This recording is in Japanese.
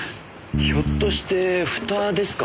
ひょっとして蓋ですか？